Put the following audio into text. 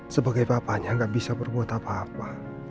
sebagai papanya nggak bisa berbuat apa apa